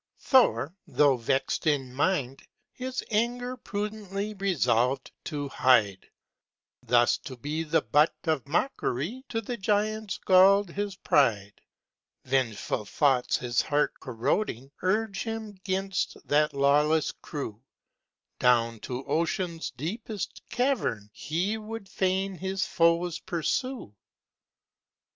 Thor, though vexŌĆÖd in mind, his anger Prudently resolvŌĆÖd to hide; Thus to be the butt of mockŌĆÖry To the giants gallŌĆÖd his pride: Vengeful thoughts his heart corroding Urge him ŌĆÖgainst that lawless crew; Down to OceanŌĆÖs deepest cavern He would fain his foes pursue.